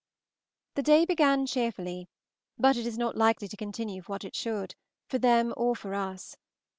The day began cheerfully, but it is not likely to continue what it should, for them or for us.